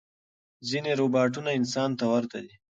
ځینې روباټونه انسان ته ورته دي.